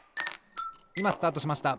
いまスタートしました！